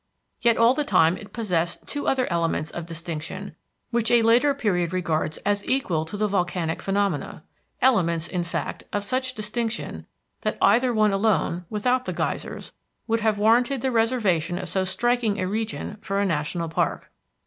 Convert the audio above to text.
Yet all the time it possessed two other elements of distinction which a later period regards as equal to the volcanic phenomena; elements, in fact, of such distinction that either one alone, without the geysers, would have warranted the reservation of so striking a region for a national park.